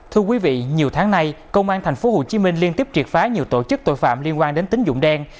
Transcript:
thưa quý vị nhiều tháng nay công an tp hcm liên tiếp triệt phá nhiều tổ chức tội phạm liên quan đến tính dụng đen